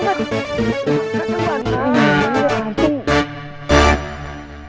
sambil menunggu ustadz jainal datang dari kairu